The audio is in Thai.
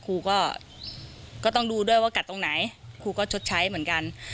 ครูก็ต้องดูด้วยว่ากัดตรงไหนครูก็ชดใช้เหมือนกัน